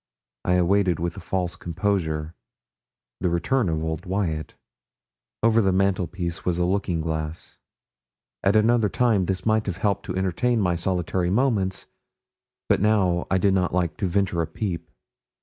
I awaited with a false composure the return of old Wyat. Over the mantelpiece was a looking glass. At another time this might have helped to entertain my solitary moments, but now I did not like to venture a peep.